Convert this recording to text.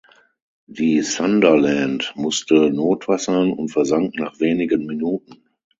Die Sunderland musste notwassern und versank nach wenigen Minuten.